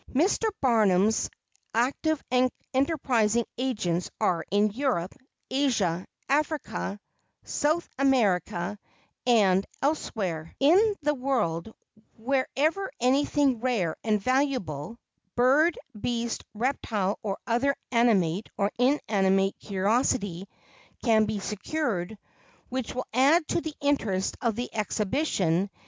Mr. Barnum's active and enterprising agents are in Europe, Asia, Africa, South America, and elsewhere in the world, wherever anything rare and valuable bird, beast, reptile, or other animate or inanimate curiosity can be secured, which will add to the interest of the exhibition.